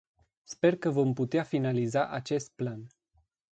Sper că vom putea finaliza acest plan.